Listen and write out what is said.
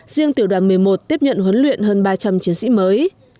riêng tiểu đoàn một mươi một tiếp nhận huấn luyện hơn ba trăm linh chiến sĩ mới